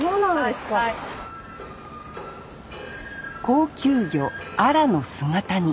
高級魚アラの姿煮。